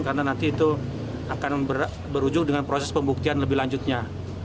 karena nanti itu akan berujung dengan proses pembuktian lebih lanjutnya